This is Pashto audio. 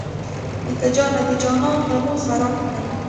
نیکه جانه د جانان غمو خراب کړم.